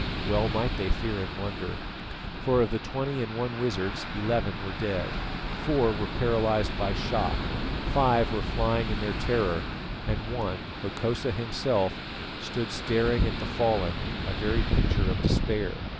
Well might they fear and wonder, for of the twenty and one wizards eleven were dead, four were paralysed by shock, five were flying in their terror, and one, Hokosa himself, stood staring at the fallen, a very picture of despair.